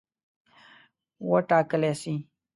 وټاکلي سي.